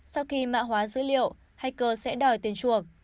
với dữ liệu hacker sẽ đòi tiền chuộc